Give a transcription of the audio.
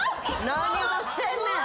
何をしてんねん！